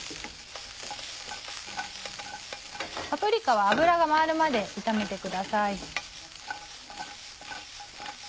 パプリカは油が回るまで炒めてください。